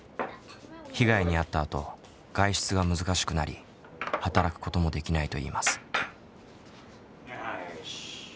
被害に遭ったあと外出が難しくなり働くこともできないといいます。